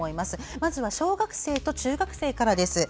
まずは小学生、中学生からです。